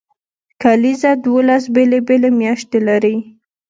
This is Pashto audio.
کلیزه دولس بیلې بیلې میاشتې لري.